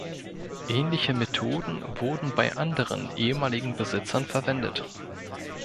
Ähnliche Methoden wurden bei anderen ehemaligen Besitzern verwendet.